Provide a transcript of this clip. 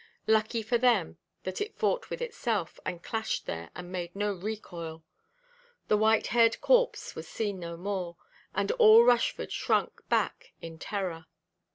Lucky for them that it fought with itself, and clashed there, and made no recoil. The white–haired corpse was seen no more; and all Rushford shrunk back in terror.